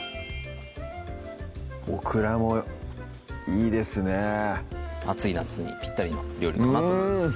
オクラもいいですね暑い夏にぴったりの料理かなと思います